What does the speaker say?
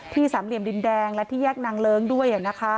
สามเหลี่ยมดินแดงและที่แยกนางเลิ้งด้วย